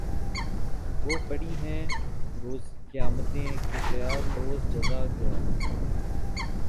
وہ پڑی ہیں روز قیامتیں کہ خیال روز جزا گیا